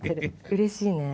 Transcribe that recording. うれしいね。